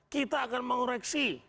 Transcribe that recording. kita akan mengoreksi